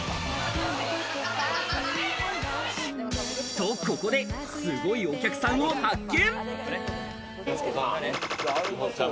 と、ここですごいお客さんを発見。